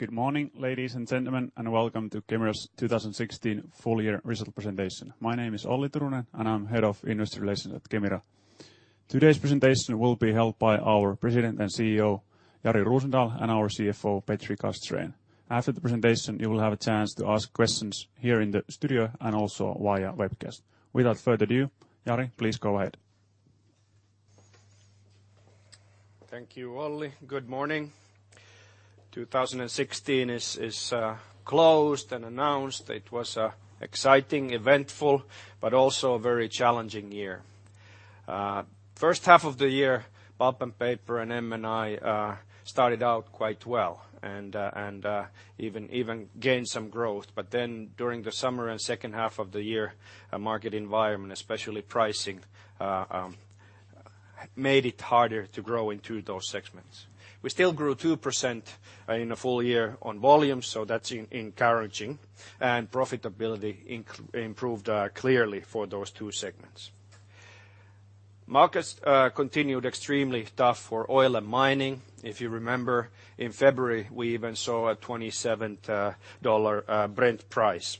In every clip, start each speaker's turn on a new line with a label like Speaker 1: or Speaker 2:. Speaker 1: Good morning, ladies and gentlemen, and welcome to Kemira's 2016 full year result presentation. My name is Olli Turunen, and I'm Head of Investor Relations at Kemira. Today's presentation will be held by our President and CEO, Jari Rosendal, and our CFO, Petri Castrén. After the presentation, you will have a chance to ask questions here in the studio and also via webcast. Without further ado, Jari, please go ahead.
Speaker 2: Thank you, Olli. Good morning. 2016 is closed and announced. It was exciting, eventful, but also a very challenging year. First half of the year, pulp and paper and M&I started out quite well and even gained some growth. During the summer and second half of the year, market environment, especially pricing, made it harder to grow in two of those segments. We still grew 2% in a full year on volume, so that's encouraging, and profitability improved clearly for those two segments. Markets continued extremely tough for oil and mining. If you remember, in February, we even saw a $27 Brent price.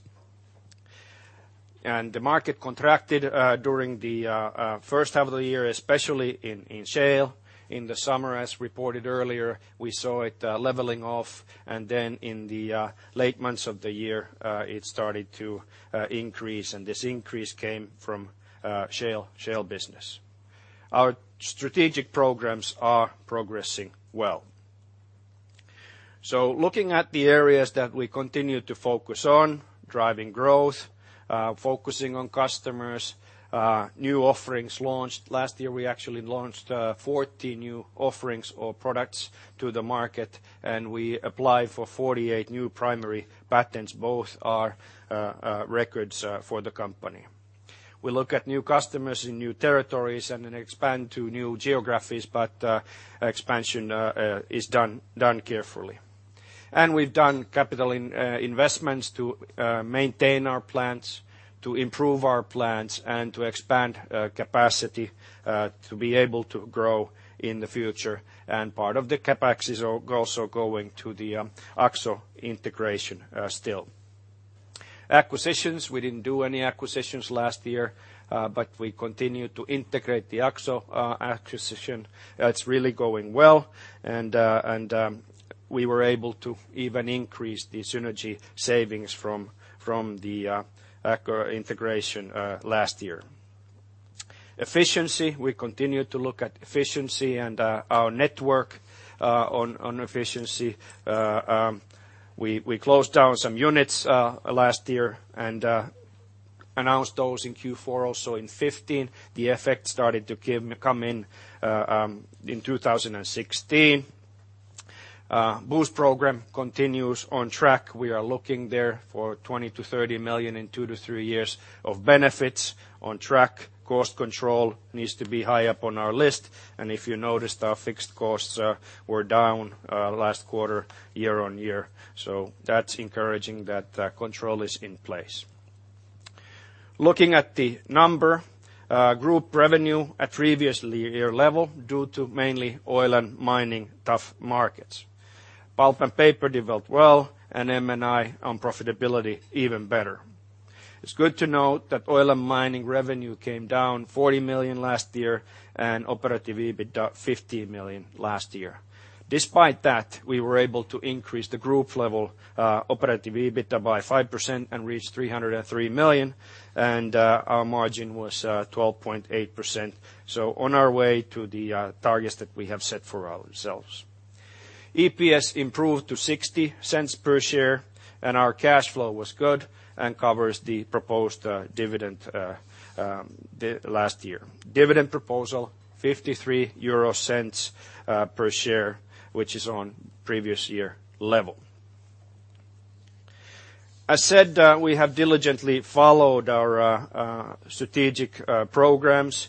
Speaker 2: The market contracted during the first half of the year, especially in shale. In the summer, as reported earlier, we saw it leveling off, and then in the late months of the year, it started to increase, and this increase came from shale business. Looking at the areas that we continue to focus on, driving growth, focusing on customers, new offerings launched. Last year, we actually launched 40 new offerings or products to the market, and we applied for 48 new primary patents. Both are records for the company. We look at new customers in new territories and then expand to new geographies, but expansion is done carefully. We've done capital investments to maintain our plants, to improve our plants, and to expand capacity to be able to grow in the future. Part of the CapEx is also going to the Akzo integration still. Acquisitions. We didn't do any acquisitions last year, but we continued to integrate the Akzo acquisition. It's really going well, and we were able to even increase the synergy savings from the Akzo integration last year. Efficiency. We continued to look at efficiency and our network on efficiency. We closed down some units last year and announced those in Q4 also in 2015. The effect started to come in in 2016. BOOST program continues on track. We are looking there for 20 million-30 million in two to three years of benefits on track. Cost control needs to be high up on our list. If you noticed, our fixed costs were down last quarter, year-over-year. That's encouraging that control is in place. Looking at the number, group revenue at previous year level due to mainly oil and mining tough markets. Pulp and paper developed well, and M&I on profitability even better. It's good to note that oil and mining revenue came down 40 million last year and operative EBITDA 15 million last year. Despite that, we were able to increase the group level operative EBITDA by 5% and reach 303 million, our margin was 12.8%. On our way to the targets that we have set for ourselves. EPS improved to 0.60 per share, our cash flow was good and covers the proposed dividend last year. Dividend proposal, 0.53 per share, which is on previous year level. I said we have diligently followed our strategic programs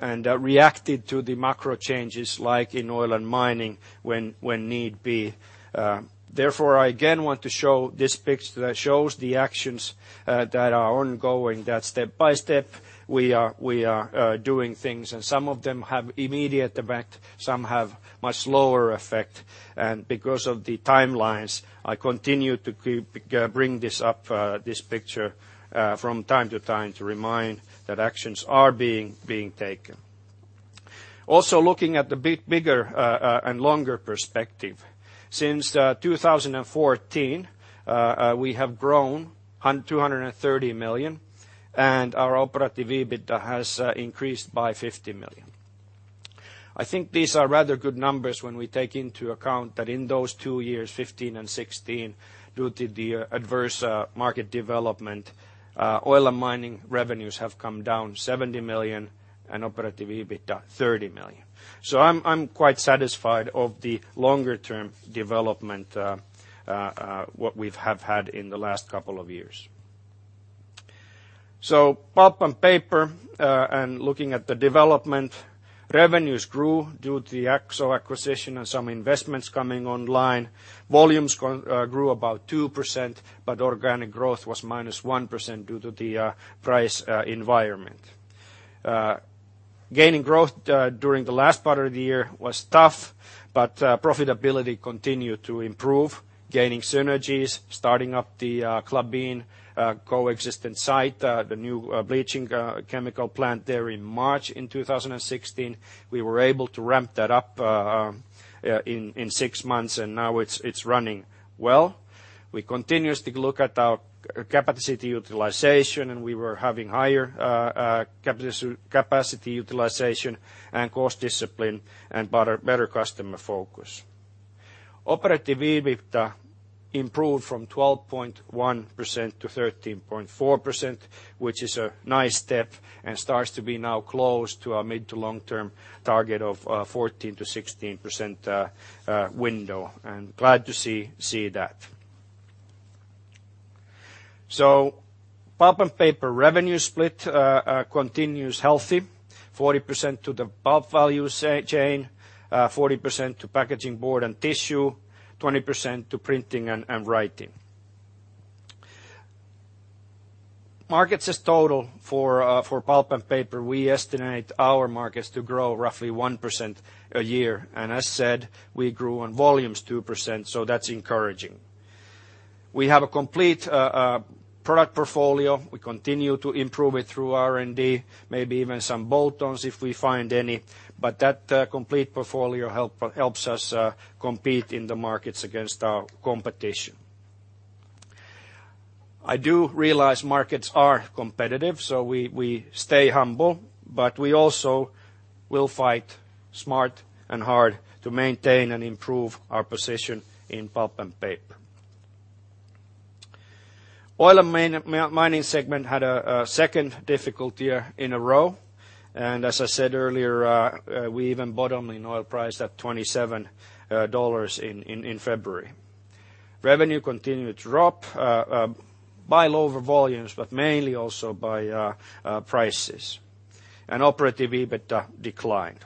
Speaker 2: and reacted to the macro changes like in oil and mining when need be. I again want to show this picture that shows the actions that are ongoing, that step by step we are doing things, some of them have immediate effect, some have much slower effect. Because of the timelines, I continue to bring this up, this picture from time to time to remind that actions are being taken. Also looking at the bigger and longer perspective. Since 2014, we have grown 230 million, our operative EBITDA has increased by 50 million. I think these are rather good numbers when we take into account that in those two years, 2015 and 2016, due to the adverse market development, oil and mining revenues have come down 70 million and operative EBITDA 30 million. I'm quite satisfied of the longer-term development, what we have had in the last couple of years. Pulp and paper, looking at the development, revenues grew due to the Akzo acquisition and some investments coming online. Volumes grew about 2%, but organic growth was -1% due to the price environment. Gaining growth during the last part of the year was tough, profitability continued to improve. Gaining synergies, starting up the Klabin coexistent site, the new bleaching chemical plant there in March in 2016. We were able to ramp that up in six months, now it's running well. We continuously look at our capacity utilization, we were having higher capacity utilization and cost discipline and better customer focus. Operative EBITDA improved from 12.1% to 13.4%, which is a nice step and starts to be now close to our mid to long-term target of 14%-16% window, glad to see that. Pulp and paper revenue split continues healthy, 40% to the pulp value chain, 40% to packaging board and tissue, 20% to printing and writing. Markets as total for pulp and paper, we estimate our markets to grow roughly 1% a year. As said, we grew on volumes 2%, that's encouraging. We have a complete product portfolio. We continue to improve it through R&D, maybe even some bolt-ons if we find any. That complete portfolio helps us compete in the markets against our competition. I do realize markets are competitive, we stay humble. We also will fight smart and hard to maintain and improve our position in pulp and paper. Oil and mining segment had a second difficult year in a row, as I said earlier, we even bottom in oil price at $27 in February. Revenue continued to drop by lower volumes but mainly also by prices. Operative EBITDA declined.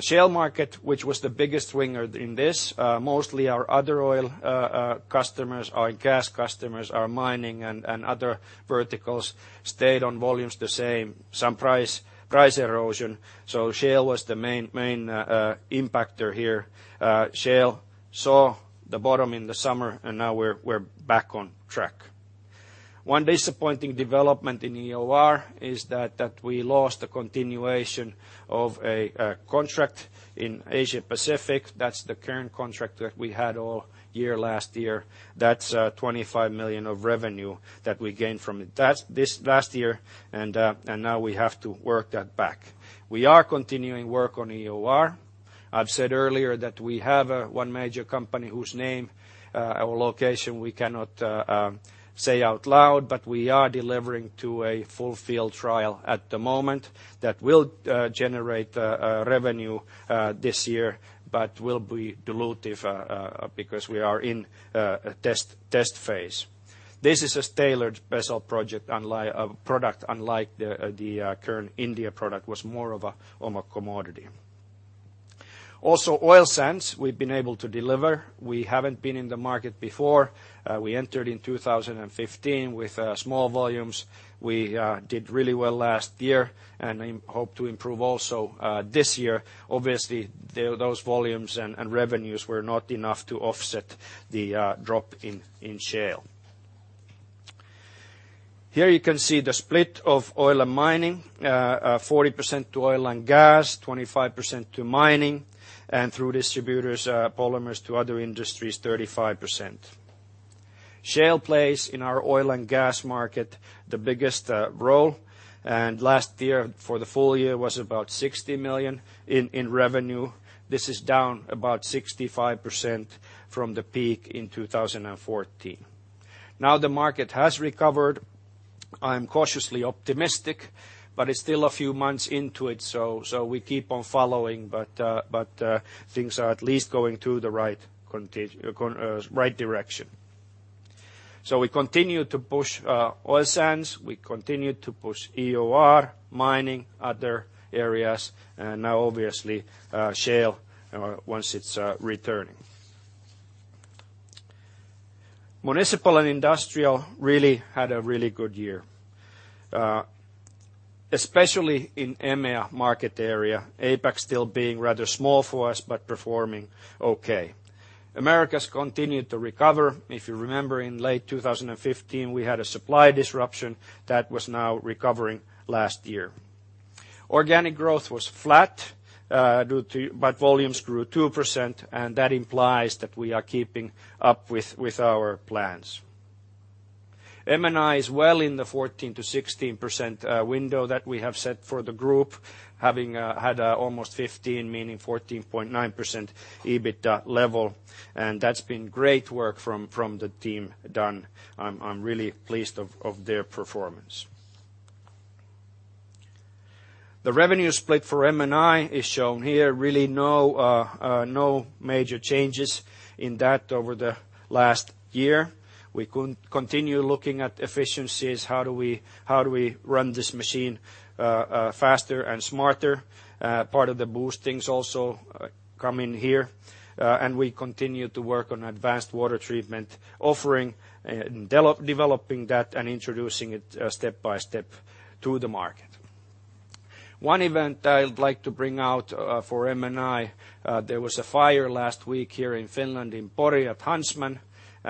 Speaker 2: Shale market, which was the biggest winner in this, mostly our other oil customers, our gas customers, our mining and other verticals stayed on volumes the same. Some price erosion. Shale was the main impactor here. Shale saw the bottom in the summer. Now we are back on track. One disappointing development in EOR is that we lost the continuation of a contract in Asia Pacific. That is the current contract that we had all year last year. That is 25 million of revenue that we gained from it last year. Now we have to work that back. We are continuing work on EOR. I have said earlier that we have one major company whose name or location we cannot say out loud, but we are delivering to a full field trial at the moment that will generate revenue this year, but will be dilutive because we are in a test phase. This is a tailored special product unlike the current India product, was more of a commodity. Oil sands, we have been able to deliver. We have not been in the market before. We entered in 2015 with small volumes. We did really well last year and hope to improve also this year. Obviously, those volumes and revenues were not enough to offset the drop in shale. Here you can see the split of oil and mining, 40% to oil and gas, 25% to mining, and through distributors, polymers to other industries, 35%. Shale plays in our oil and gas market the biggest role. Last year for the full year was about 60 million in revenue. This is down about 65% from the peak in 2014. The market has recovered. I am cautiously optimistic, but it is still a few months into it, so we keep on following, but things are at least going to the right direction. We continue to push oil sands, we continue to push EOR, mining, other areas, and now obviously shale once it is returning. Municipal and industrial really had a really good year, especially in EMEA market area. APAC still being rather small for us but performing okay. Americas continued to recover. If you remember in late 2015, we had a supply disruption that was now recovering last year. Organic growth was flat but volumes grew 2%. That implies that we are keeping up with our plans. M&I is well in the 14%-16% window that we have set for the group, having had almost 15%, meaning 14.9% EBITDA level, and that has been great work from the team done. I am really pleased of their performance. The revenue split for M&I is shown here. Really no major changes in that over the last year. We continue looking at efficiencies. How do we run this machine faster and smarter? Part of the BOOST also come in here. We continue to work on advanced water treatment offering, developing that and introducing it step by step to the market. One event I would like to bring out for M&I, there was a fire last week here in Finland in Pori at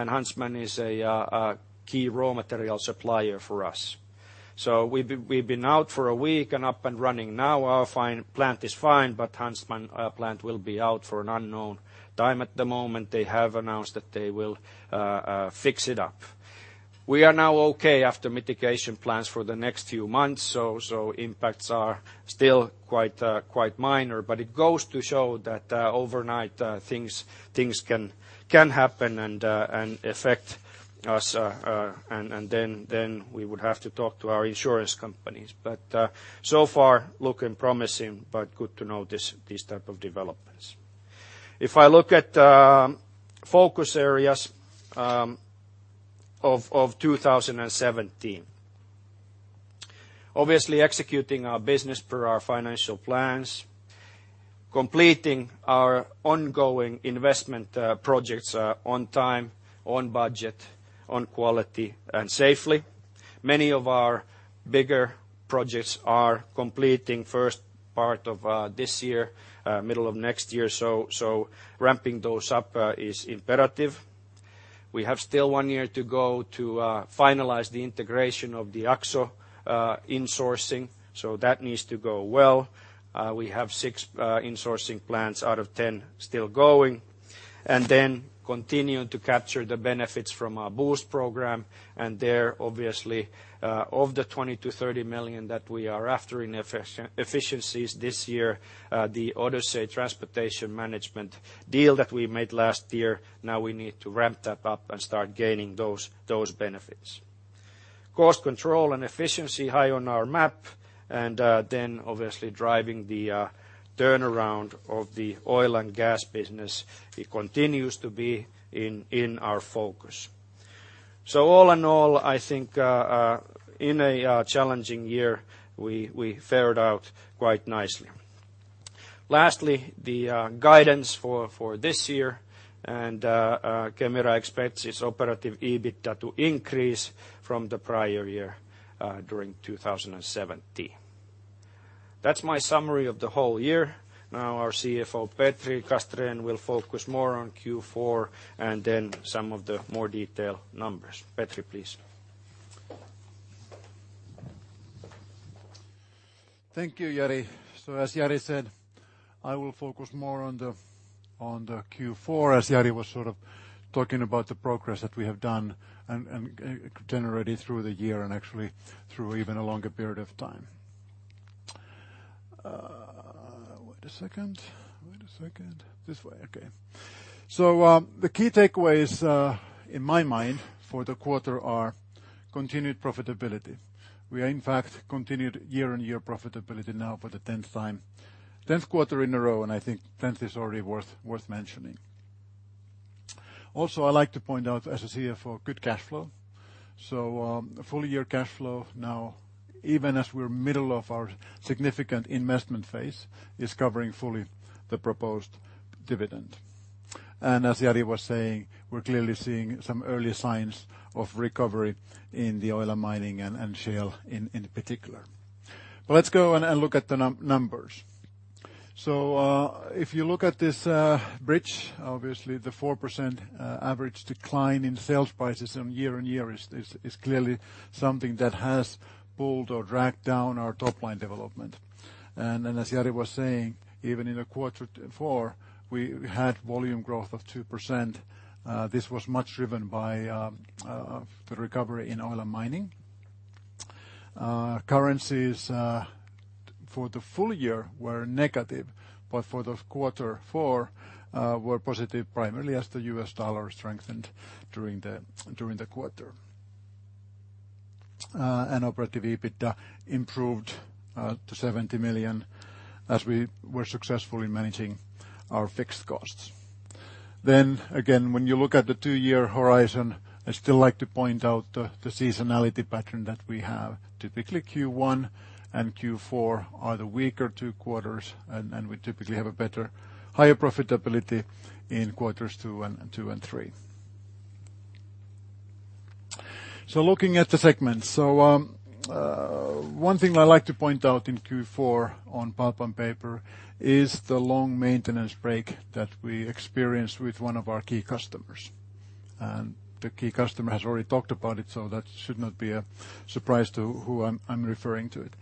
Speaker 2: Huntsman. Huntsman is a key raw material supplier for us. We have been out for a week and up and running now. Our plant is fine, but Huntsman plant will be out for an unknown time at the moment. They have announced that they will fix it up. We are now okay after mitigation plans for the next few months, so impacts are still quite minor. It goes to show that overnight things can happen and affect us, and then we would have to talk to our insurance companies. So far looking promising, but good to know these type of developments. If I look at focus areas of 2017. Obviously executing our business per our financial plans, completing our ongoing investment projects on time, on budget, on quality, and safely. Many of our bigger projects are completing first part of this year, middle of next year, so ramping those up is imperative. We have still one year to go to finalize the integration of the Akzo insourcing, so that needs to go well. We have 6 insourcing plants out of 10 still going. Continue to capture the benefits from our BOOST program. There, obviously, of the 20 to 30 million that we are after in efficiencies this year, the Odyssey Transportation management deal that we made last year, now we need to ramp that up and start gaining those benefits. Cost control and efficiency high on our map and then obviously driving the turnaround of the oil and gas business. It continues to be in our focus. All in all, I think, in a challenging year, we fared out quite nicely. Lastly, the guidance for this year, Kemira expects its operative EBITDA to increase from the prior year during 2017. That's my summary of the whole year. Our CFO, Petri Castrén, will focus more on Q4 and then some of the more detailed numbers. Petri, please.
Speaker 3: Thank you, Jari. As Jari said, I will focus more on the Q4 as Jari was sort of talking about the progress that we have done and generated through the year and actually through even a longer period of time. Wait a second. This way. Okay. The key takeaways, in my mind, for the quarter are continued profitability. We are in fact continued year-on-year profitability now for the 10th quarter in a row, and I think 10th is already worth mentioning. Also, I'd like to point out as a CFO, good cash flow. Full year cash flow now, even as we're middle of our significant investment phase, is covering fully the proposed dividend. As Jari was saying, we're clearly seeing some early signs of recovery in the oil and mining and shale in particular. Let's go and look at the numbers. If you look at this bridge, obviously the 4% average decline in sales prices on year-on-year is clearly something that has pulled or dragged down our top-line development. As Jari was saying, even in the quarter four, we had volume growth of 2%. This was much driven by the recovery in oil and mining. Currencies for the full year were negative, but for the quarter four were positive primarily as the U.S. dollar strengthened during the quarter. Operative EBITDA improved to 70 million as we were successful in managing our fixed costs. When you look at the two-year horizon, I still like to point out the seasonality pattern that we have, typically Q1 and Q4 are the weaker 2 quarters, and we typically have a better, higher profitability in quarters 2 and 3. Looking at the segments. One thing I like to point out in Q4 on pulp and paper is the long maintenance break that we experienced with one of our key customers. The key customer has already talked about it, so that should not be a surprise to who I'm referring to it.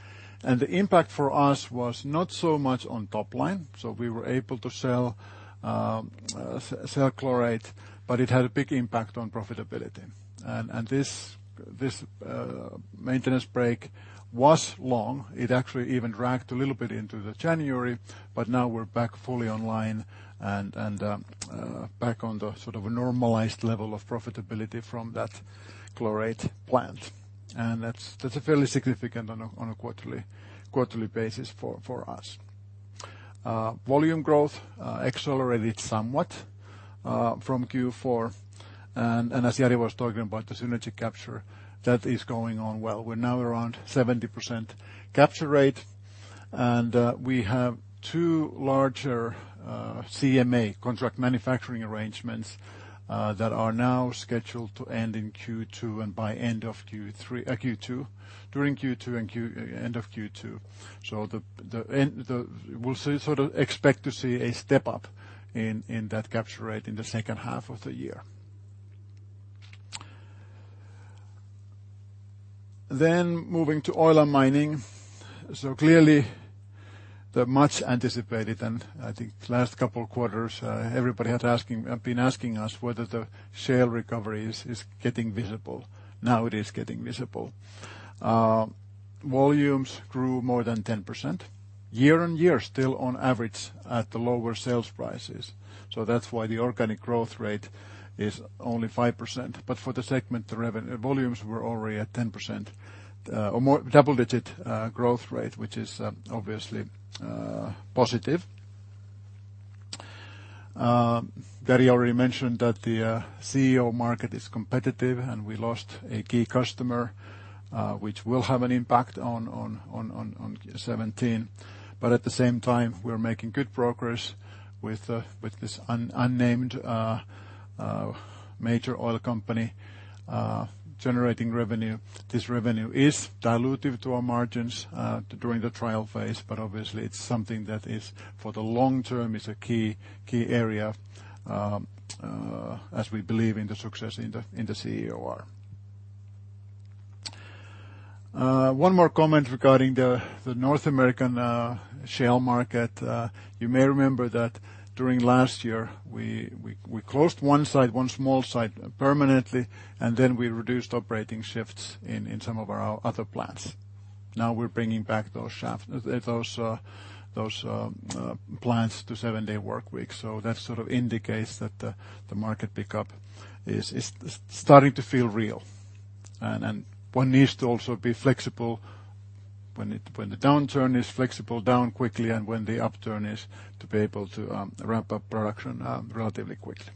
Speaker 3: The impact for us was not so much on top line. We were able to sell chlorate, but it had a big impact on profitability. This maintenance break was long. It actually even dragged a little bit into January, but now we're back fully online and back on the sort of a normalized level of profitability from that chlorate plant. That's fairly significant on a quarterly basis for us. Volume growth accelerated somewhat from Q4. As Jari was talking about the synergy capture that is going on well. We're now around 70% capture rate, and we have two larger CMA contract manufacturing arrangements that are now scheduled to end in Q2 and by end of Q2, during Q2 and end of Q2. We'll expect to see a step up in that capture rate in the second half of the year. Moving to oil and mining. Clearly the much anticipated, and I think last couple of quarters, everybody had been asking us whether the shale recovery is getting visible. Now it is getting visible. Volumes grew more than 10% year-on-year, still on average at the lower sales prices. That's why the organic growth rate is only 5%. For the segment, the revenue volumes were already at 10% or double-digit growth rate, which is obviously positive. Jari already mentioned that the CEO market is competitive and we lost a key customer, which will have an impact on 2017. At the same time, we're making good progress with this unnamed major oil company generating revenue. This revenue is dilutive to our margins during the trial phase, but obviously it's something that is for the long term is a key area as we believe in the success in the CEOR. One more comment regarding the North American shale market. You may remember that during last year, we closed one side, one small site permanently, and then we reduced operating shifts in some of our other plants. Now we're bringing back those plants to seven-day workweek. That sort of indicates that the market pickup is starting to feel real. One needs to also be flexible when the downturn is flexible down quickly and when the upturn is to be able to ramp up production relatively quickly.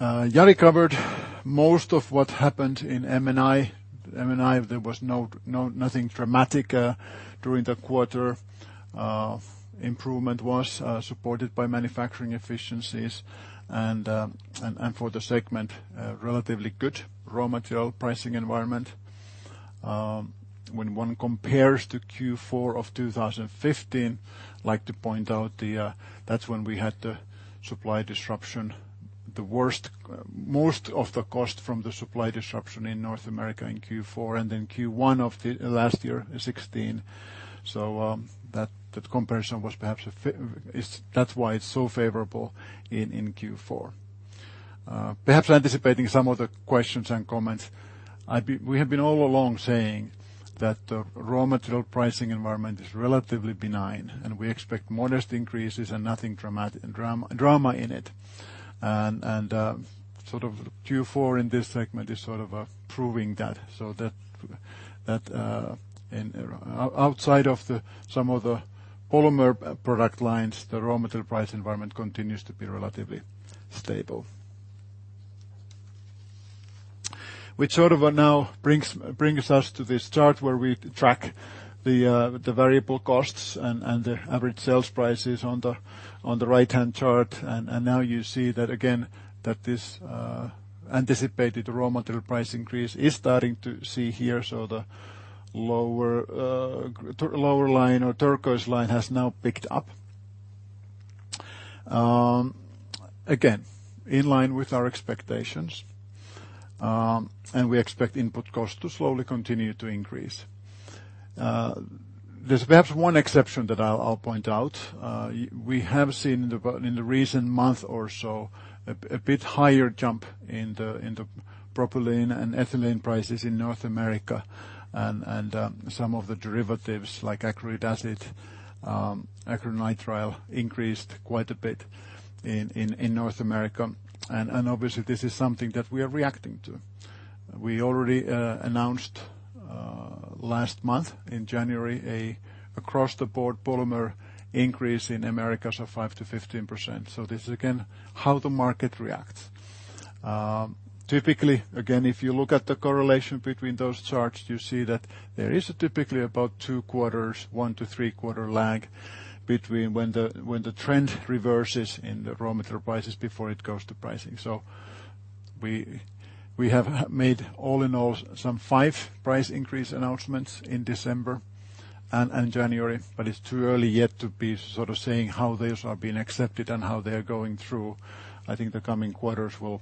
Speaker 3: Jari covered most of what happened in M&I. M&I there was nothing dramatic during the quarter. Improvement was supported by manufacturing efficiencies and for the segment, relatively good raw material pricing environment. When one compares to Q4 of 2015, I'd like to point out that's when we had the supply disruption, the worst. Most of the cost from the supply disruption in North America in Q4 and in Q1 of the last year 2016. That comparison that's why it's so favorable in Q4. Perhaps anticipating some of the questions and comments. We have been all along saying that the raw material pricing environment is relatively benign and we expect modest increases and nothing drama in it. Q4 in this segment is sort of proving that. Outside of some of the polymer product lines, the raw material price environment continues to be relatively stable. Which sort of now brings us to this chart where we track the variable costs and the average sales prices on the right-hand chart. Now you see that again, that this anticipated raw material price increase is starting to see here. The lower line or turquoise line has now picked up. Again, in line with our expectations. We expect input costs to slowly continue to increase. There's perhaps one exception that I'll point out. We have seen in the recent month or so a bit higher jump in the propylene and ethylene prices in North America and some of the derivatives like acrylic acid, acrylonitrile increased quite a bit in North America. Obviously this is something that we are reacting to. We already announced last month in January a across the board polymer increase in Americas of 5%-15%. This is again how the market reacts. Typically, again, if you look at the correlation between those charts, you see that there is typically about two quarters, one to three-quarter lag between when the trend reverses in the raw material prices before it goes to pricing. We have made all in all some five price increase announcements in December and January, but it's too early yet to be sort of saying how these are being accepted and how they're going through. I think the coming quarters will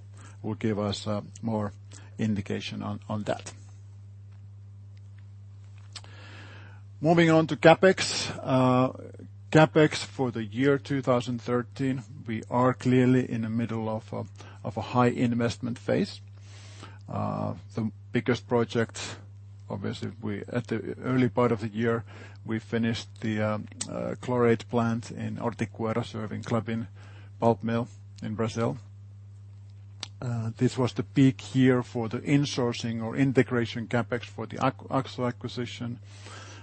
Speaker 3: give us more indication on that. Moving on to CapEx. CapEx for the year 2013, we are clearly in the middle of a high investment phase. The biggest project obviously at the early part of the year, we finished the chlorate plant in Ortigueira serving Klabin Pulp Mill in Brazil. This was the peak year for the insourcing or integration CapEx for the Akzo acquisition.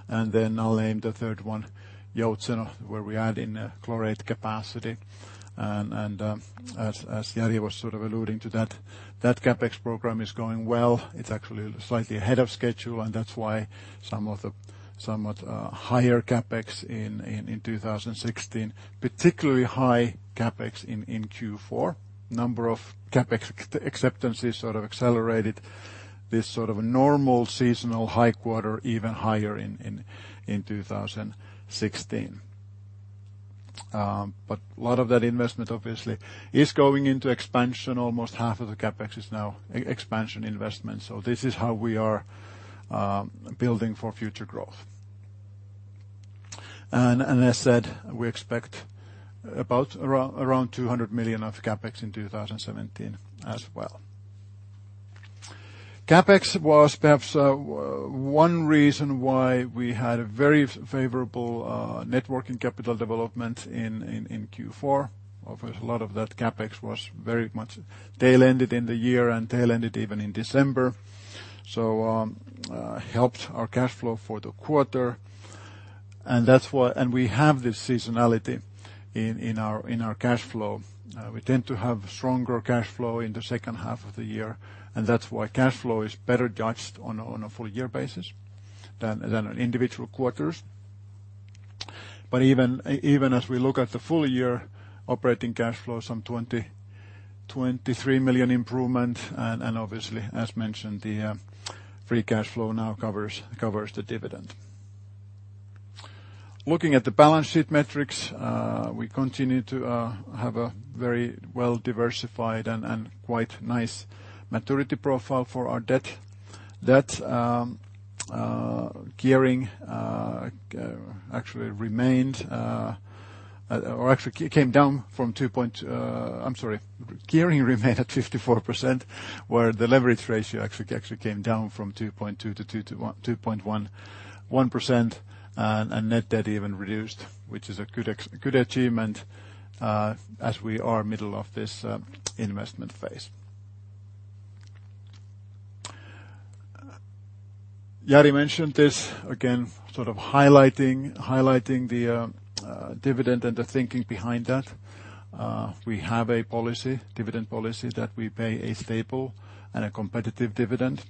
Speaker 3: Then I'll name the third one, Joutseno, where we add in chlorate capacity. As Jari was alluding to that CapEx program is going well. It's actually slightly ahead of schedule, and that's why somewhat higher CapEx in 2016, particularly high CapEx in Q4. Number of CapEx acceptances accelerated this normal seasonal high quarter even higher in 2016. A lot of that investment obviously is going into expansion. Almost half of the CapEx is now expansion investment. This is how we are building for future growth. As said, we expect about around 200 million of CapEx in 2017 as well. CapEx was perhaps one reason why we had a very favorable net working capital development in Q4. Of course, a lot of that CapEx was very much tail-ended in the year and tail-ended even in December, so helped our cash flow for the quarter. We have this seasonality in our cash flow. We tend to have stronger cash flow in the second half of the year, and that's why cash flow is better judged on a full year basis than on individual quarters. Even as we look at the full year operating cash flow, some 23 million improvement, and obviously as mentioned, the free cash flow now covers the dividend. Looking at the balance sheet metrics, we continue to have a very well-diversified and quite nice maturity profile for our debt. Gearing actually remained or actually came down from 2 point-- I'm sorry. Gearing remained at 54%, where the leverage ratio actually came down from 2.2% to 2.1%, and net debt even reduced, which is a good achievement as we are middle of this investment phase. Jari mentioned this again, highlighting the dividend and the thinking behind that. We have a dividend policy that we pay a stable and a competitive dividend.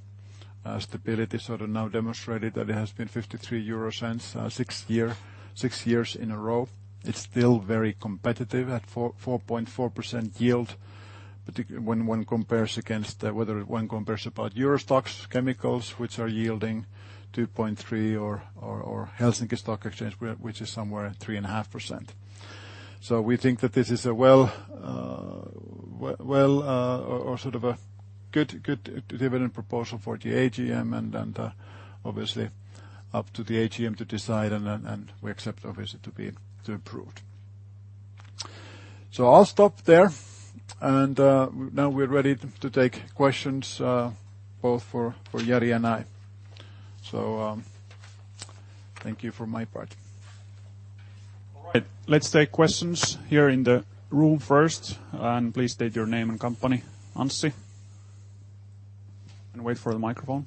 Speaker 3: Stability now demonstrated that it has been 0.53 euro six years in a row. It is still very competitive at 4.4% yield when one compares against EURO STOXX Chemicals, which are yielding 2.3%, or Helsinki Stock Exchange, which is somewhere at 3.5%. We think that this is a good dividend proposal for the AGM, and obviously up to the AGM to decide, and we accept obviously to be approved. I will stop there, and now we are ready to take questions both for Jari and I. Thank you for my part.
Speaker 1: All right. Let us take questions here in the room first, and please state your name and company. Anssi. Wait for the microphone.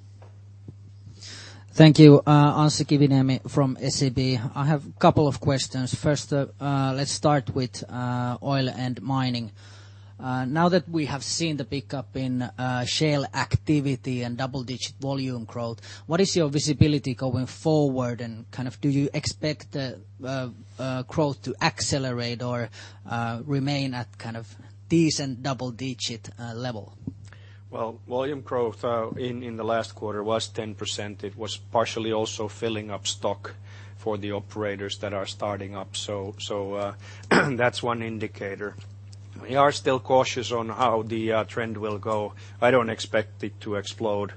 Speaker 4: Thank you. Anssi Kiviniemi from SEB. I have couple of questions. First, let us start with oil and mining. Now that we have seen the pickup in shale activity and double-digit volume growth, what is your visibility going forward and do you expect the growth to accelerate or remain at decent double-digit level?
Speaker 3: Well, volume growth in the last quarter was 10%. It was partially also filling up stock for the operators that are starting up. That's one indicator. We are still cautious on how the trend will go. I don't expect it to explode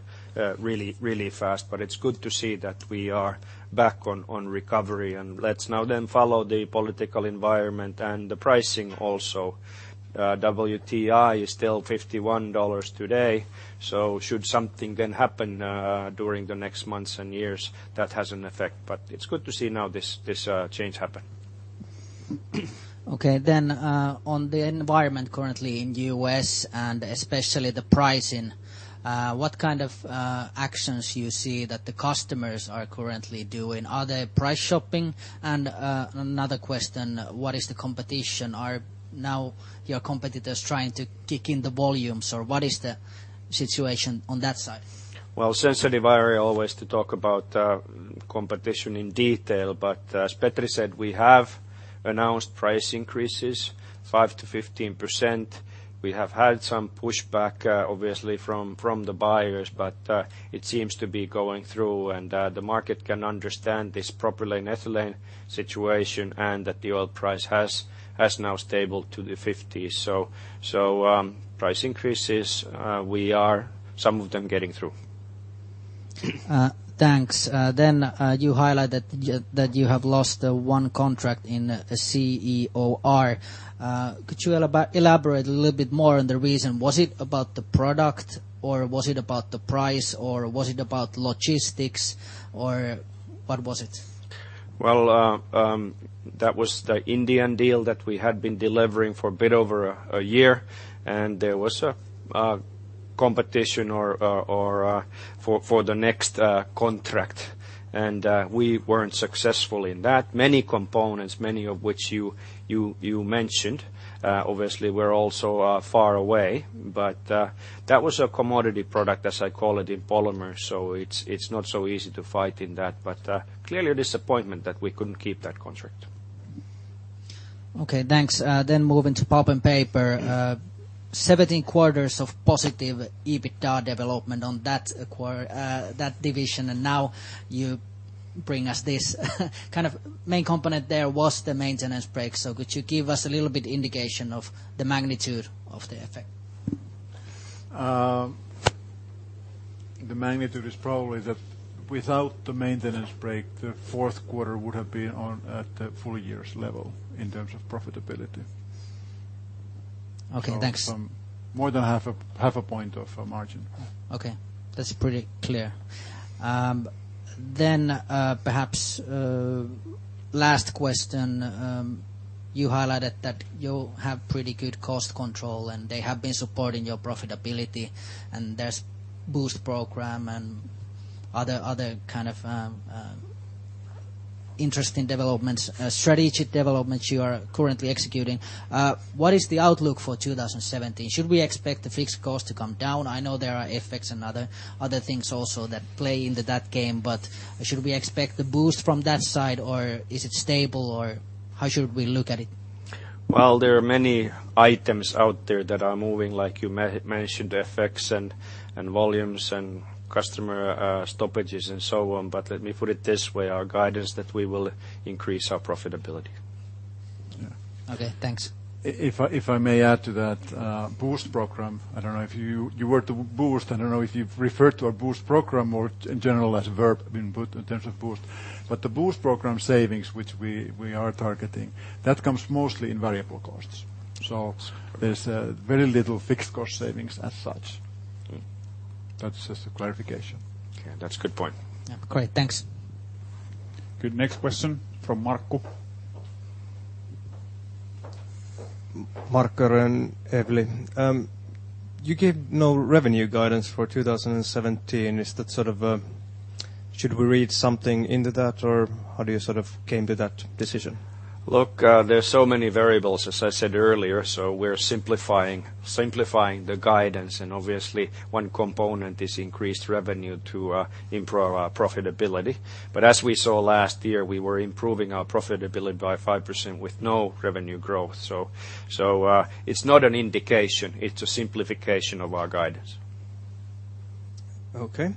Speaker 3: really fast, but it's good to see that we are back on recovery, and let's now then follow the political environment and the pricing also. WTI is still $51 today. Should something then happen during the next months and years, that has an effect. It's good to see now this change happen.
Speaker 4: Okay, on the environment currently in U.S. and especially the pricing, what kind of actions you see that the customers are currently doing? Are they price shopping? Another question, what is the competition? Are now your competitors trying to kick in the volumes, or what is the situation on that side?
Speaker 2: Well, sensitive area always to talk about competition in detail. As Petri said, we have announced price increases 5%-15%. We have had some pushback, obviously from the buyers. It seems to be going through and the market can understand this propylene-ethylene situation and that the oil price has now stabled to the 50s. Price increases we are some of them getting through.
Speaker 4: Thanks. You highlighted that you have lost one contract in CEOR. Could you elaborate a little bit more on the reason? Was it about the product, or was it about the price, or was it about logistics? What was it?
Speaker 2: Well, that was the Indian deal that we had been delivering for a bit over a year, there was a competition for the next contract. We weren't successful in that. Many components, many of which you mentioned obviously were also far away, but that was a commodity product, as I call it, in polymer. It's not so easy to fight in that, but clearly a disappointment that we couldn't keep that contract.
Speaker 4: Okay, thanks. Moving to Pulp and Paper. 17 quarters of positive EBITDA development on that division, now you bring us this kind of main component there was the maintenance break. Could you give us a little bit indication of the magnitude of the effect?
Speaker 3: The magnitude is probably that without the maintenance break, the fourth quarter would have been on at the full year's level in terms of profitability.
Speaker 4: Okay, thanks.
Speaker 3: More than half a point of margin.
Speaker 4: Okay. That's pretty clear. Perhaps last question. You highlighted that you have pretty good cost control, and they have been supporting your profitability and there's BOOST program and other kind of interesting developments, strategic developments you are currently executing. What is the outlook for 2017? Should we expect the fixed cost to come down? I know there are effects and other things also that play into that game, but should we expect the boost from that side or is it stable or how should we look at it?
Speaker 2: Well, there are many items out there that are moving, like you mentioned, effects and volumes and customer stoppages and so on. Let me put it this way, our guidance that we will increase our profitability.
Speaker 4: Okay, thanks.
Speaker 3: If I may add to that BOOST program. The word boost, I don't know if you've referred to a BOOST program or in general as a verb being put in terms of boost, but the BOOST program savings, which we are targeting, that comes mostly in variable costs. There's very little fixed cost savings as such. That's just a clarification.
Speaker 2: Yeah, that's a good point.
Speaker 4: Yeah. Great. Thanks.
Speaker 1: Good. Next question from Marco.
Speaker 5: Marco Rönn, Evli. You gave no revenue guidance for 2017. Should we read something into that or how do you sort of came to that decision?
Speaker 2: Look, there's so many variables as I said earlier. We're simplifying the guidance and obviously one component is increased revenue to improve our profitability. As we saw last year, we were improving our profitability by 5% with no revenue growth. It's not an indication, it's a simplification of our guidance.
Speaker 5: Okay.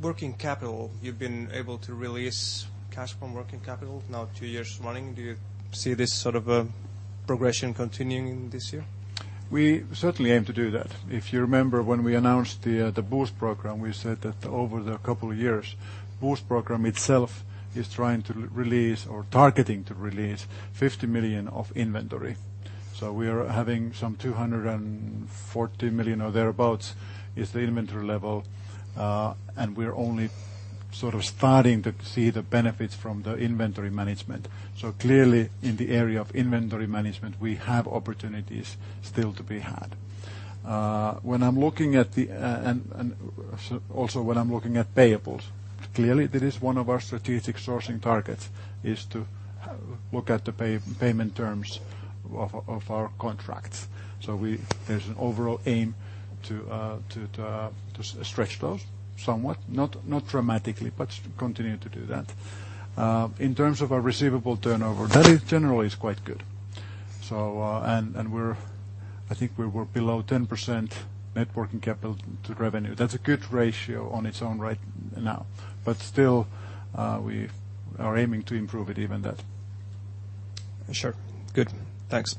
Speaker 5: Working capital. You've been able to release cash from working capital now two years running. Do you see this sort of progression continuing this year?
Speaker 3: We certainly aim to do that. If you remember when we announced the BOOST program, we said that over the couple of years, BOOST program itself is trying to release or targeting to release 50 million of inventory. We are having some 240 million or thereabouts is the inventory level. We're only sort of starting to see the benefits from the inventory management. Clearly in the area of inventory management, we have opportunities still to be had. Also when I'm looking at payables, clearly that is one of our strategic sourcing targets, is to look at the payment terms of our contracts. There's an overall aim to stretch those somewhat, not dramatically, but continue to do that. In terms of our receivable turnover, that is generally is quite good. I think we were below 10% net working capital to revenue. That's a good ratio on its own right now. Still, we are aiming to improve it even that.
Speaker 5: Sure. Good. Thanks.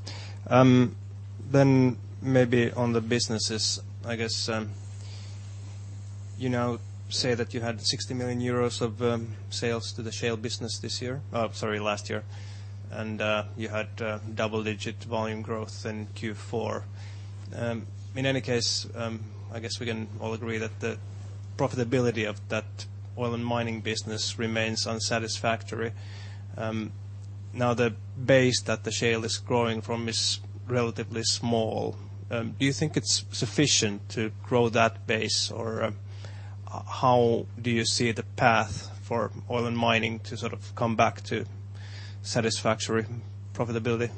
Speaker 5: Maybe on the businesses, I guess, you now say that you had 60 million euros of sales to the shale business last year, and you had double-digit volume growth in Q4. In any case, I guess we can all agree that the profitability of that oil and mining business remains unsatisfactory. The base that the shale is growing from is relatively small. Do you think it's sufficient to grow that base or how do you see the path for oil and mining to sort of come back to satisfactory profitability?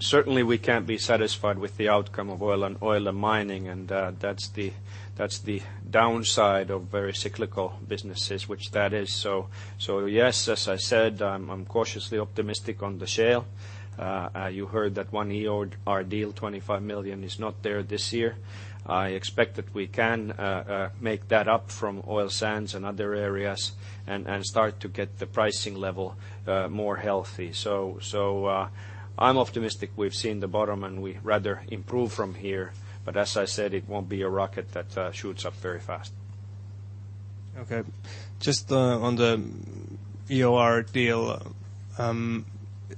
Speaker 2: Certainly we can't be satisfied with the outcome of oil and mining and that's the downside of very cyclical businesses which that is. Yes, as I said, I'm cautiously optimistic on the shale. You heard that one year our deal 25 million is not there this year. I expect that we can make that up from oil sands and other areas and start to get the pricing level more healthy. I'm optimistic we've seen the bottom and we rather improve from here. As I said, it won't be a rocket that shoots up very fast.
Speaker 5: Just on the EOR deal,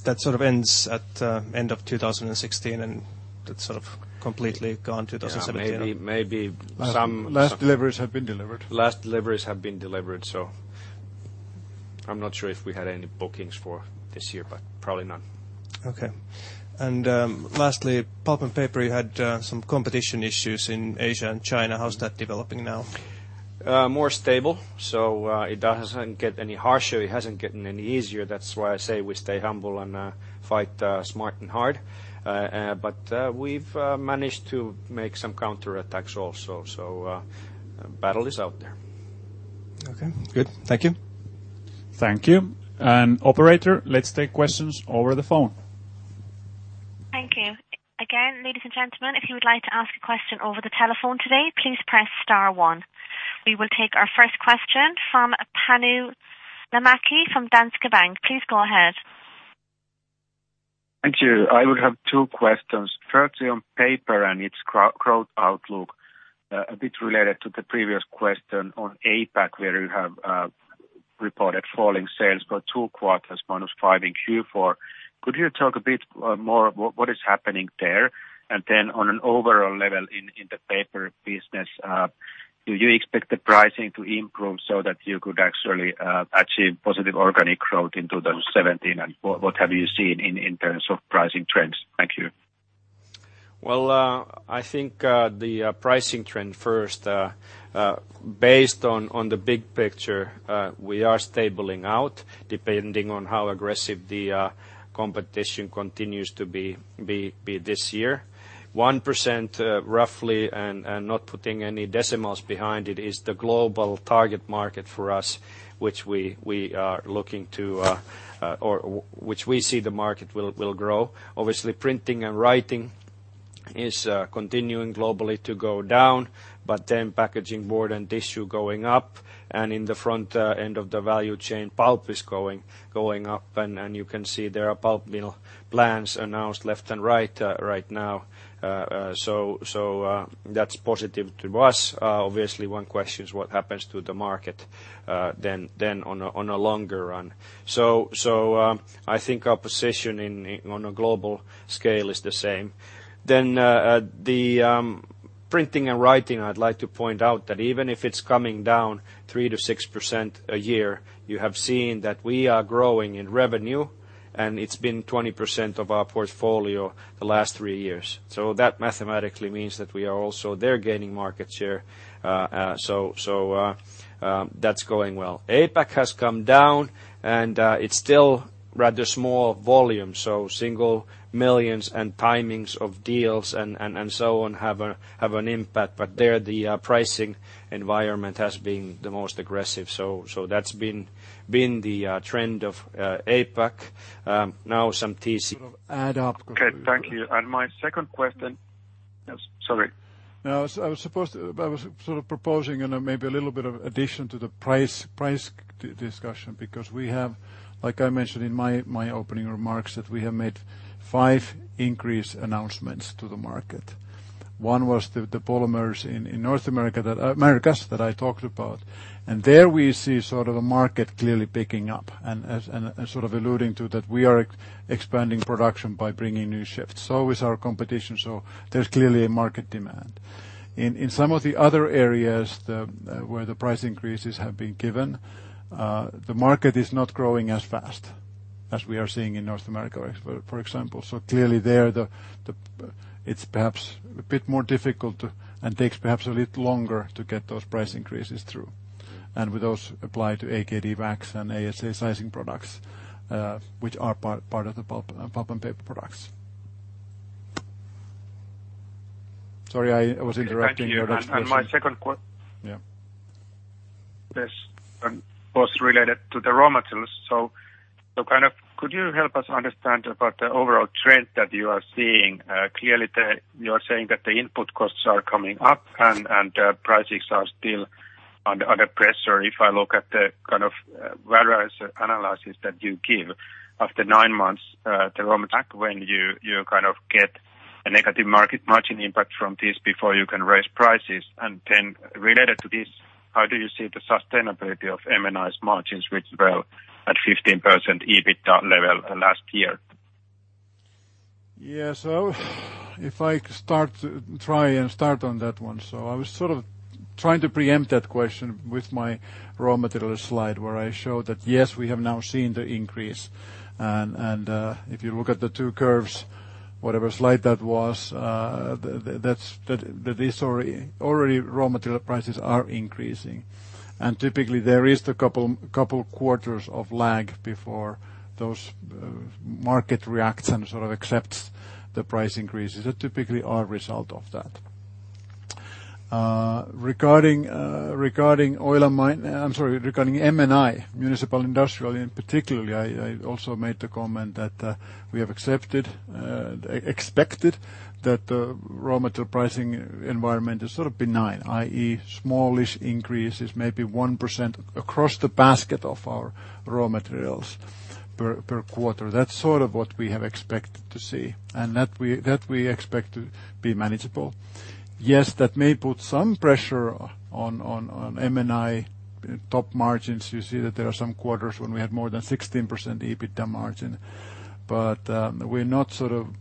Speaker 5: that sort of ends at end of 2016, and that's sort of completely gone 2017.
Speaker 2: Yeah.
Speaker 3: Last deliveries have been delivered.
Speaker 2: Last deliveries have been delivered, I'm not sure if we had any bookings for this year, but probably none.
Speaker 5: Okay. Lastly, pulp and paper, you had some competition issues in Asia and China. How's that developing now?
Speaker 2: It doesn't get any harsher. It hasn't gotten any easier. That's why I say we stay humble and fight smart and hard. We've managed to make some counterattacks also. Battle is out there.
Speaker 5: Okay, good. Thank you.
Speaker 1: Thank you. Operator, let's take questions over the phone.
Speaker 6: Thank you. Again, ladies and gentlemen, if you would like to ask a question over the telephone today, please press star one. We will take our first question from Panu Laitinmäki from Danske Bank. Please go ahead.
Speaker 7: Thank you. I would have two questions. Firstly, on paper and its growth outlook, a bit related to the previous question on APAC, where you have reported falling sales for two quarters, -5% in Q4. Could you talk a bit more what is happening there? Then on an overall level in the paper business, do you expect the pricing to improve so that you could actually achieve positive organic growth in 2017? What have you seen in terms of pricing trends? Thank you.
Speaker 2: Well, I think the pricing trend first, based on the big picture, we are stabilizing out depending on how aggressive the competition continues to be this year. 1%, roughly, and not putting any decimals behind it, is the global target market for us, which we are looking to or which we see the market will grow. Obviously, printing and writing is continuing globally to go down. Then packaging board and tissue going up. In the front end of the value chain, pulp is going up. You can see there are pulp mill plans announced left and right now. That's positive to us. Obviously, one question is what happens to the market then on a longer run. I think our position on a global scale is the same. Then the printing and writing, I'd like to point out that even if it's coming down 3%-6% a year, you have seen that we are growing in revenue, and it's been 20% of our portfolio the last three years. That mathematically means that we are also there gaining market share. That's going well. APAC has come down and it's still rather small volume. Single millions and timings of deals and so on have an impact, but there the pricing environment has been the most aggressive. That's been the trend of APAC.
Speaker 3: Add up.
Speaker 7: Okay, thank you. My second question. Sorry.
Speaker 3: No, I was sort of proposing maybe a little bit of addition to the price discussion because we have, like I mentioned in my opening remarks, that we have made five increase announcements to the market. One was the polymers in North America, Americas, that I talked about. There we see sort of a market clearly picking up and sort of alluding to that we are expanding production by bringing new shifts. Is our competition. There's clearly a market demand. In some of the other areas where the price increases have been given, the market is not growing as fast as we are seeing in North America, for example. Clearly there it's perhaps a bit more difficult and takes perhaps a little longer to get those price increases through. With those apply to AKD Wax and ASA sizing products, which are part of the pulp and paper products. Sorry, I was interrupting your question.
Speaker 7: Thank you. My second.
Speaker 3: Yeah.
Speaker 7: This was related to the raw materials. Could you help us understand about the overall trend that you are seeing? Clearly, you are saying that the input costs are coming up and prices are still under pressure. If I look at the kind of various analysis that you give after 9 months, the raw material, when you kind of get a negative market margin impact from this before you can raise prices. Related to this, how do you see the sustainability of M&I's margins, which were at 15% EBITDA level last year?
Speaker 3: Yeah. If I try and start on that one. I was sort of trying to preempt that question with my raw material slide where I show that, yes, we have now seen the increase. If you look at the two curves, whatever slide that was, already raw material prices are increasing. Typically there is the couple quarters of lag before those market reacts and sort of accepts the price increases that typically are a result of that. Regarding M&I, Municipal & Industrial in particular, I also made the comment that we have expected that the raw material pricing environment is sort of benign, i.e., smallish increases, maybe 1% across the basket of our raw materials per quarter. That's sort of what we have expected to see, and that we expect to be manageable. Yes, that may put some pressure on M&I top margins. You see that there are some quarters when we had more than 16% EBITDA margin, we're not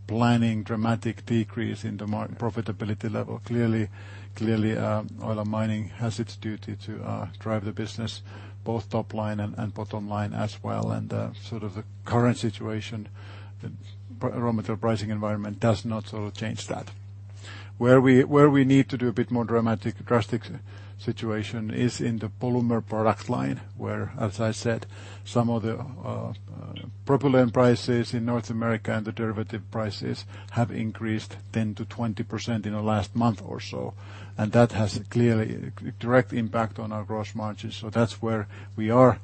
Speaker 3: planning dramatic decrease in the profitability level. Clearly, Oil and Mining has its duty to drive the business, both top line and bottom line as well, and the current situation, the raw material pricing environment does not change that. Where we need to do a bit more drastic situation is in the polymer product line, where, as I said, some of the propylene prices in North America and the derivative prices have increased 10%-20% in the last month or so. That has a clearly direct impact on our gross margins, that's where we are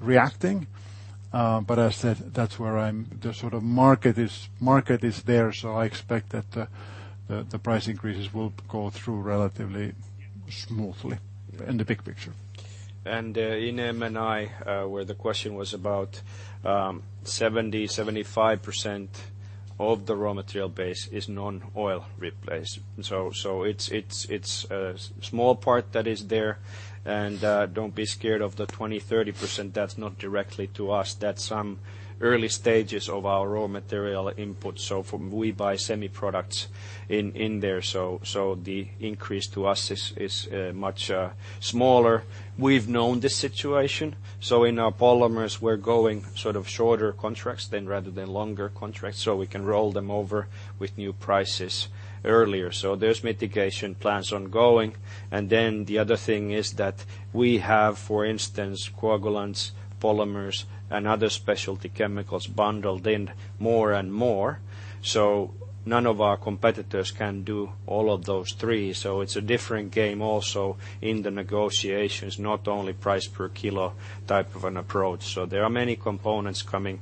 Speaker 3: reacting. As I said, the market is there, I expect that the price increases will go through relatively smoothly in the big picture.
Speaker 2: In M&I, where the question was about 70%-75% of the raw material base is non-oil replaced. It's a small part that is there and don't be scared of the 20%-30%. That's not directly to us. That's some early stages of our raw material input. We buy semi products in there, the increase to us is much smaller. We've known this situation, in our polymers we're going shorter contracts rather than longer contracts so we can roll them over with new prices earlier. There's mitigation plans ongoing. The other thing is that we have, for instance, coagulants, polymers, and other specialty chemicals bundled in more and more. None of our competitors can do all of those three. It's a different game also in the negotiations, not only price per kilo type of an approach. There are many components coming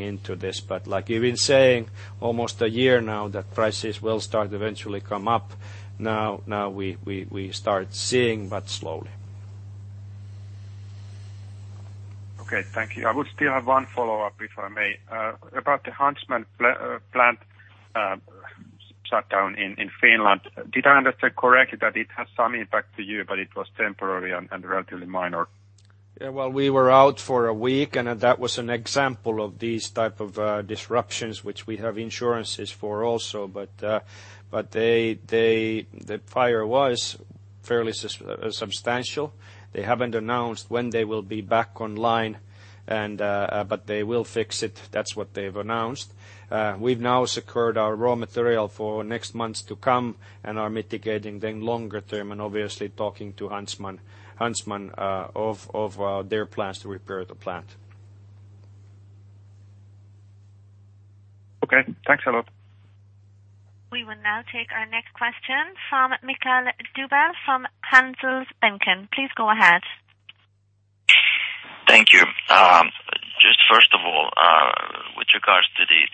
Speaker 2: into this. Like you've been saying almost a year now that prices will start eventually come up. Now we start seeing, but slowly.
Speaker 7: Okay. Thank you. I would still have one follow-up, if I may. About the Huntsman plant shutdown in Finland. Did I understand correctly that it had some impact to you, but it was temporary and relatively minor?
Speaker 2: Yeah, well, we were out for a week, that was an example of these type of disruptions, which we have insurances for also. The fire was fairly substantial. They haven't announced when they will be back online but they will fix it. That's what they've announced. We've now secured our raw material for next months to come and are mitigating then longer term and obviously talking to Huntsman of their plans to repair the plant.
Speaker 7: Okay, thanks a lot.
Speaker 6: We will now take our next question from Mikael Doepel from Handelsbanken. Please go ahead.
Speaker 8: Thank you. Just first of all, with regards to the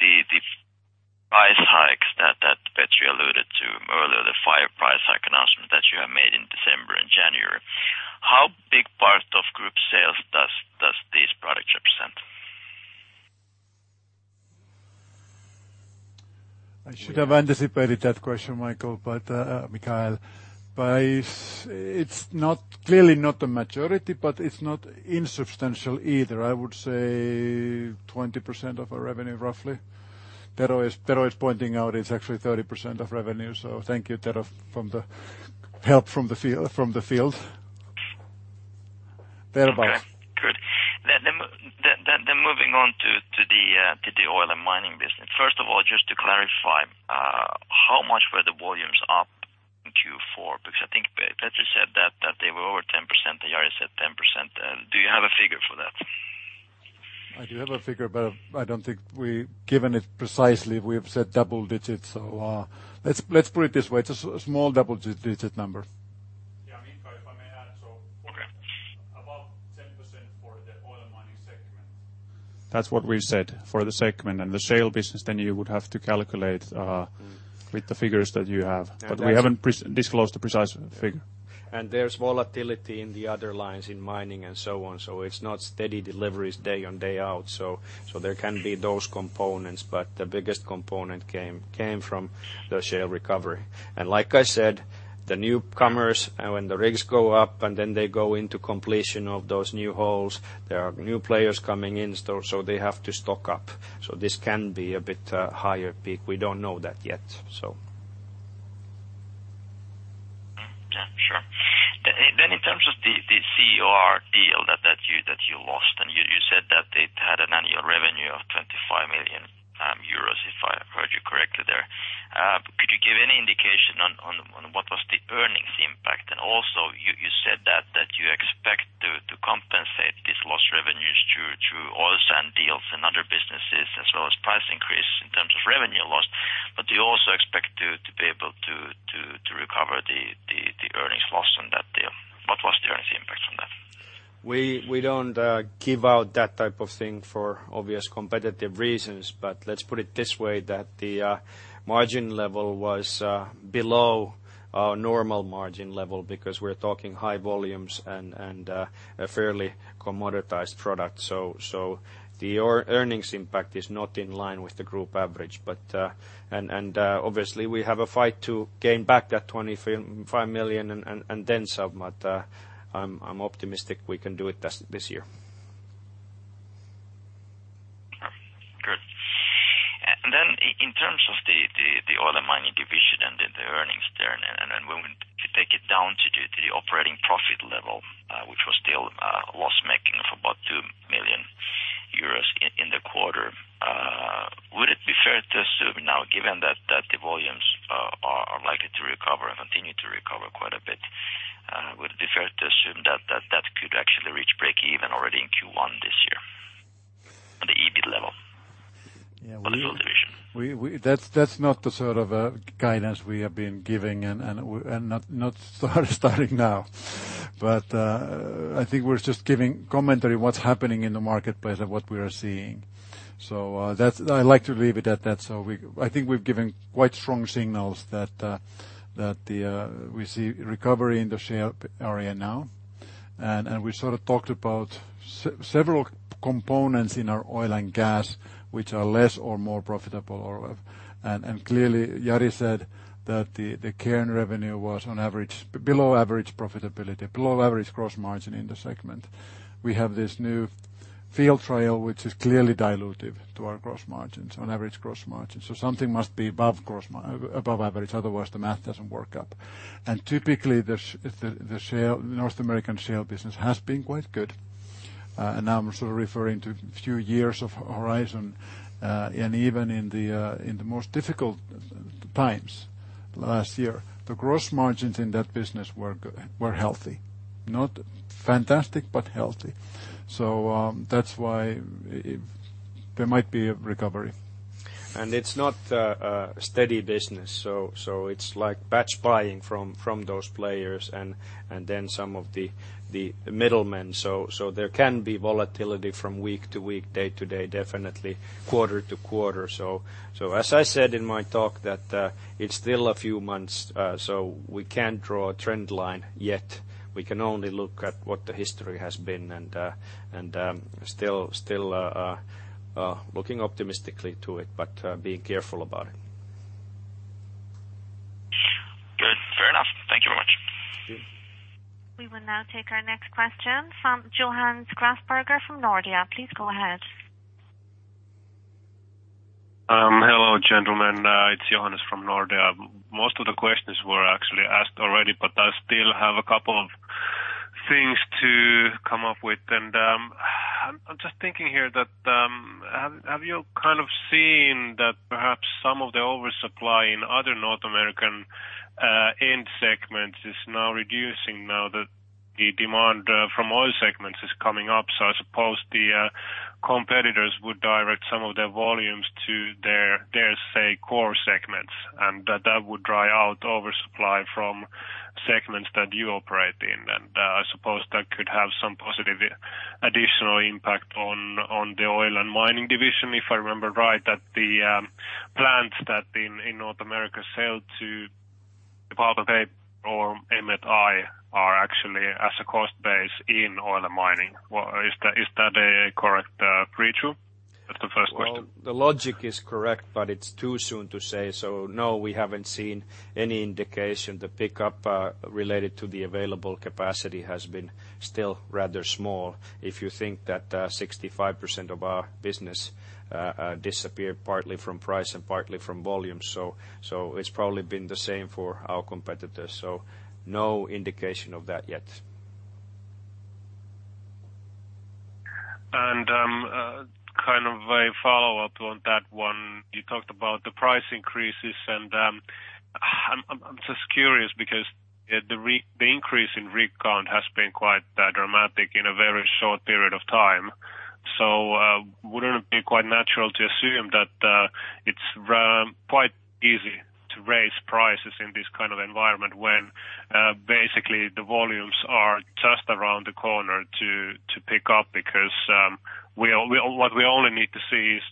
Speaker 8: price hikes that Petri alluded to earlier, the five price hike announcement that you have made in December and January, how big part of group sales does these products represent?
Speaker 3: I should have anticipated that question, Mikael. It's clearly not the majority, but it's not insubstantial either. I would say 20% of our revenue, roughly. Tero is pointing out it's actually 30% of revenue, thank you Tero for the help from the field. Thereabouts.
Speaker 8: Okay, good. Moving on to the Oil and Mining business. First of all, just to clarify, how much were the volumes up in Q4? I think Petri said that they were over 10%, Jari said 10%. Do you have a figure for that?
Speaker 3: I do have a figure, I don't think we've given it precisely. We have said double digits. Let's put it this way, it's a small double-digit number.
Speaker 2: Yeah, Mikael, if I may add so.
Speaker 8: Okay.
Speaker 2: About 10% for the Oil and Mining segment. That's what we've said for the segment. The shale business, then you would have to calculate with the figures that you have. We haven't disclosed the precise figure.
Speaker 8: Yeah.
Speaker 2: There's volatility in the other lines in Mining and so on, so it's not steady deliveries day in, day out. There can be those components, but the biggest component came from the shale recovery. Like I said, the newcomers, when the rigs go up and then they go into completion of those new holes, there are new players coming in, so they have to stock up. This can be a bit higher peak. We don't know that yet.
Speaker 8: Yeah, sure. In terms of the EOR deal that you lost, you said that it had an annual revenue of 25 million euros, if I heard you correctly there. Could you give any indication on what was the earnings impact? Also, you said that you expect to compensate this lost revenues through oil sand deals and other businesses as well as price increase in terms of revenue lost. Do you also expect to be able to recover the earnings lost on that deal? What was the earnings impact from that?
Speaker 2: We don't give out that type of thing for obvious competitive reasons, let's put it this way, that the margin level was below our normal margin level because we're talking high volumes and a fairly commoditized product. The earnings impact is not in line with the group average. Obviously we have a fight to gain back that 25 million and then some, I'm optimistic we can do it this year.
Speaker 8: When we take it down to the operating profit level, which was still loss-making of about 2 million euros in the quarter. Would it be fair to assume now, given that the volumes are likely to recover and continue to recover quite a bit, would it be fair to assume that that could actually reach breakeven already in Q1 this year on the EBIT level for the full division?
Speaker 3: That's not the sort of guidance we have been giving and not starting now. I think we're just giving commentary on what's happening in the marketplace and what we are seeing. I'd like to leave it at that. I think we've given quite strong signals that we see recovery in the shale area now, and we sort of talked about several components in our oil and gas which are less or more profitable. Clearly Jari said that the Cairn revenue was below average profitability, below average gross margin in the segment. We have this new field trial, which is clearly dilutive to our gross margins on average gross margins. Something must be above average, otherwise the math doesn't work up. Typically, the North American shale business has been quite good. Now I'm sort of referring to a few years of horizon. Even in the most difficult times last year, the gross margins in that business were healthy. Not fantastic, but healthy. That's why there might be a recovery.
Speaker 2: It's not a steady business, so it's like batch buying from those players and then some of the middlemen. There can be volatility from week to week, day to day, definitely quarter to quarter. As I said in my talk that it's still a few months, so we can't draw a trend line yet. We can only look at what the history has been and still looking optimistically to it, but being careful about it.
Speaker 8: Good. Fair enough. Thank you very much.
Speaker 2: Thank you.
Speaker 6: We will now take our next question from Johannes Grasberger from Nordea. Please go ahead.
Speaker 9: Hello, gentlemen. It's Johannes from Nordea. Most of the questions were actually asked already, but I still have a couple of things to come up with. I'm just thinking here that have you kind of seen that perhaps some of the oversupply in other North American end segments is now reducing now that the demand from oil segments is coming up? I suppose the competitors would direct some of their volumes to their, say, core segments, and that would dry out oversupply from segments that you operate in. I suppose that could have some positive additional impact on the Oil and Mining division. If I remember right, that the plants that in North America sell to the part of A or M&I are actually as a cost base in Oil and Mining. Is that a correct read through? That's the first question.
Speaker 2: Well, the logic is correct, but it's too soon to say. No, we haven't seen any indication. The pickup related to the available capacity has been still rather small. If you think that 65% of our business disappeared partly from price and partly from volume. It's probably been the same for our competitors. No indication of that yet.
Speaker 9: Kind of a follow-up on that one. You talked about the price increases. I'm just curious because the increase in rig count has been quite dramatic in a very short period of time. Would it not be quite natural to assume that it's quite easy to raise prices in this kind of environment when basically the volumes are just around the corner to pick up because what we only need to see is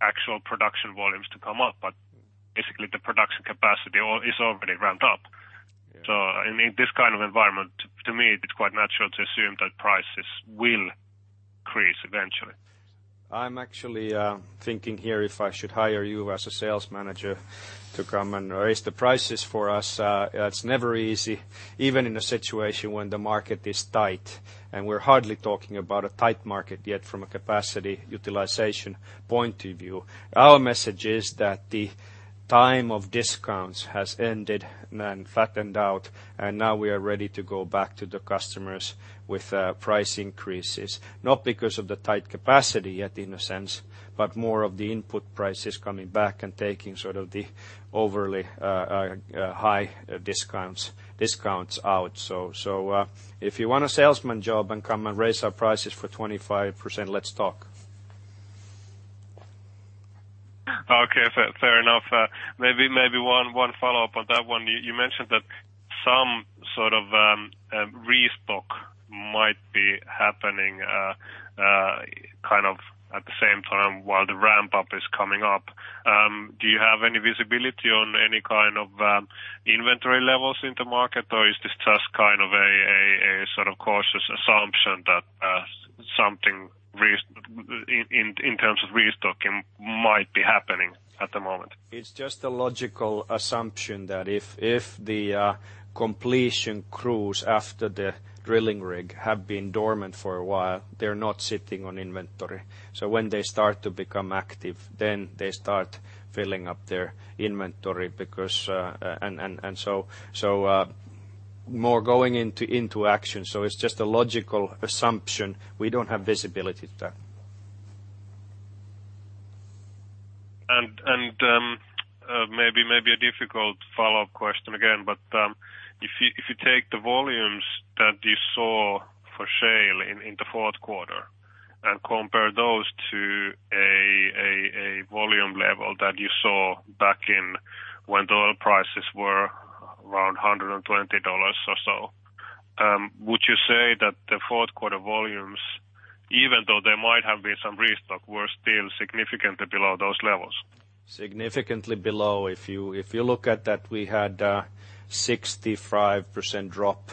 Speaker 9: actual production volumes to come up, but basically the production capacity is already ramped up. In this kind of environment, to me, it's quite natural to assume that prices will increase eventually.
Speaker 2: I'm actually thinking here if I should hire you as a sales manager to come and raise the prices for us. It's never easy, even in a situation when the market is tight. We're hardly talking about a tight market yet from a capacity utilization point of view. Our message is that the time of discounts has ended and flattened out. Now we are ready to go back to the customers with price increases, not because of the tight capacity yet in a sense, but more of the input prices coming back and taking sort of the overly high discounts out. If you want a salesman job and come and raise our prices for 25%, let's talk.
Speaker 9: Okay, fair enough. Maybe one follow-up on that one. You mentioned that some sort of restock might be happening kind of at the same time while the ramp-up is coming up. Do you have any visibility on any kind of inventory levels in the market or is this just kind of a sort of cautious assumption that something in terms of restocking might be happening at the moment?
Speaker 2: It's just a logical assumption that if the Completion crews after the drilling rig have been dormant for a while. They're not sitting on inventory. When they start to become active, then they start filling up their inventory. More going into action. It's just a logical assumption. We don't have visibility to that.
Speaker 9: maybe a difficult follow-up question again, but if you take the volumes that you saw for shale in the fourth quarter and compare those to a volume level that you saw back when the oil prices were around $120 or so, would you say that the fourth quarter volumes, even though there might have been some restock, were still significantly below those levels?
Speaker 2: Significantly below. If you look at that, we had a 65% drop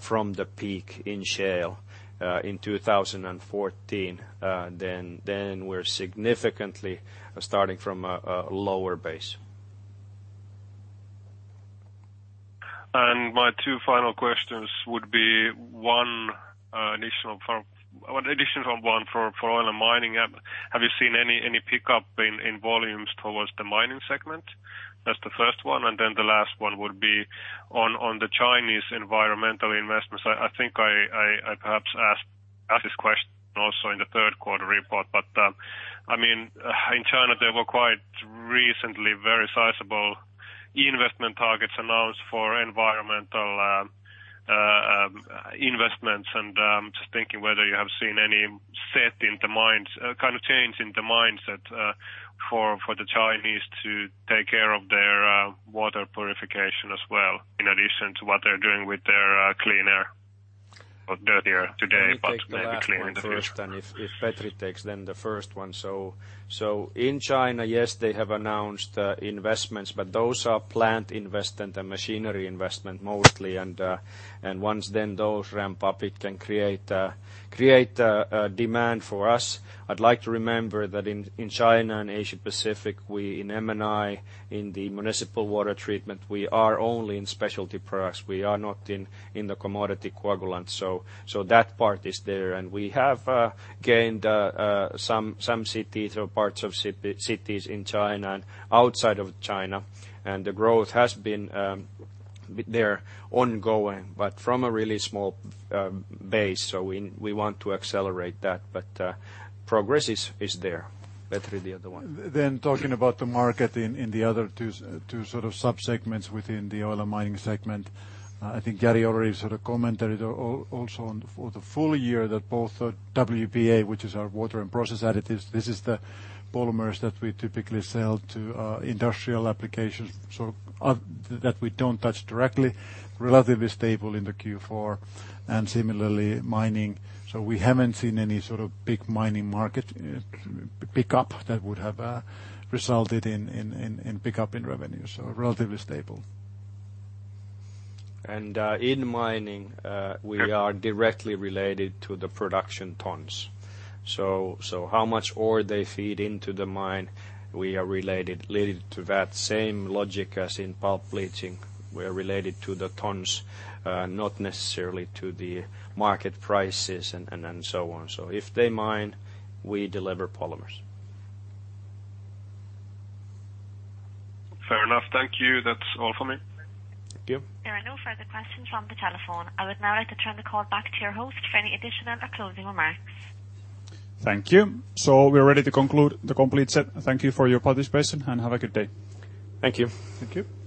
Speaker 2: from the peak in shale in 2014. We're significantly starting from a lower base.
Speaker 9: My two final questions would be one additional one for oil and mining. Have you seen any pickup in volumes towards the mining segment? That's the first one, and the last one would be on the Chinese environmental investments. I think I perhaps asked this question also in the third quarter report, but in China, there were quite recently very sizable investment targets announced for environmental investments and I'm just thinking whether you have seen any kind of change in the mindset for the Chinese to take care of their water purification as well, in addition to what they're doing with their clean air or dirtier today, but maybe clean in the future.
Speaker 2: Let me take the last one first, and if Petri takes the first one. In China, yes, they have announced investments, but those are plant investment and machinery investment mostly. Once then those ramp up, it can create demand for us. I'd like to remember that in China and Asia-Pacific, we, in M&I, in the municipal water treatment, we are only in specialty products. We are not in the commodity coagulant. That part is there. We have gained some cities or parts of cities in China and outside of China, and the growth has been there ongoing, but from a really small base. We want to accelerate that, but progress is there. Petri, the other one.
Speaker 3: Talking about the market in the other two sub-segments within the oil and mining segment, I think Jari already commented also on the full year that both WPA, which is our water and process additives, this is the polymers that we typically sell to industrial applications, that we don't touch directly, relatively stable in the Q4, and similarly mining. We haven't seen any sort of big mining market pick-up that would have resulted in pick-up in revenue, relatively stable.
Speaker 2: In mining, we are directly related to the production tons. How much ore they feed into the mine, we are related to that same logic as in pulp bleaching. We're related to the tons, not necessarily to the market prices and so on. If they mine, we deliver polymers.
Speaker 9: Fair enough. Thank you. That's all from me.
Speaker 2: Thank you.
Speaker 6: There are no further questions from the telephone. I would now like to turn the call back to your host for any additional or closing remarks.
Speaker 1: Thank you. We're ready to conclude the complete set. Thank you for your participation, and have a good day.
Speaker 2: Thank you.
Speaker 1: Thank you.